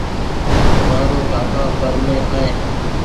مآ رو ڪآڪآ پرمي آئي